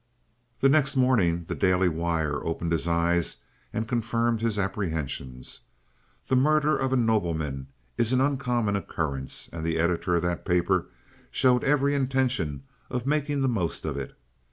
The next morning the Daily Wire opened his eyes and confirmed his apprehensions. The murder of a nobleman is an uncommon occurrence, and the editor of that paper showed every intention of making the most of it.